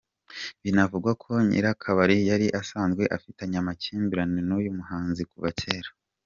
Binavugwa ko nyir’akabari yari asanzwe afitanye amakimbirane n’uyu muhanzi kuva cyera.